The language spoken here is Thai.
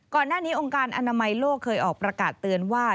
ก่อนหน้านี้องค์การอนามัยโลกเคยออกประกาศเตือนว่า